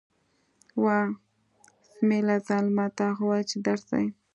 وه! اسمعیله ظالمه، تا خو ویل چې درس دی.